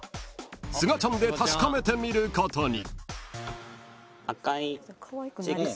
［すがちゃんで確かめてみることに］